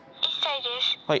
はい。